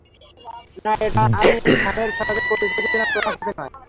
না, এটা আমি স্যামের সাথে করতে চেয়েছিলাম, তোমার সাথে নয়।